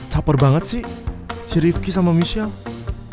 caper banget sih si rifki sama michelle